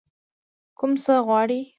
کوم څه غواړئ؟